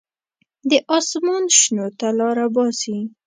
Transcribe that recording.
د اسمان شنو ته لاره باسي.